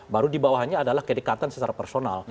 baru di bawahnya adalah kedekatan secara personal